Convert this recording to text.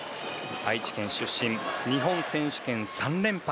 愛知県出身、日本選手権３連覇。